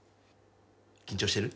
緊張してる？